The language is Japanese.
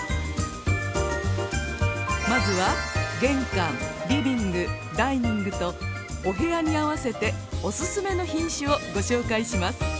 まずは玄関リビングダイニングとお部屋に合わせてオススメの品種をご紹介します。